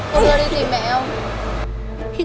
cô đưa đi tìm mẹ không